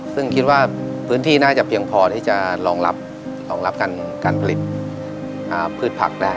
ซึ่งคิดว่าพื้นที่น่าจะเพียงพอที่จะรองรับรองรับการผลิตพืชผักได้